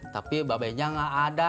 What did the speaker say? tapi babehnya gak ada